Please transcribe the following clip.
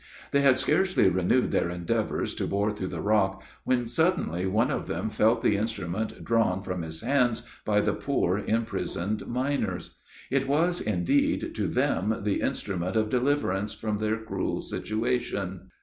They had scarcely renewed their endeavors to bore through the rock, when suddenly one of them felt the instrument drawn from his hands, by the poor imprisoned miners. It was, indeed, to them, the instrument of deliverance from their cruel situation.